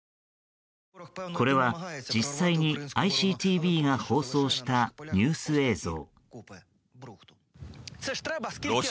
これは、実際にＩＣＴＶが放送したニュース映像。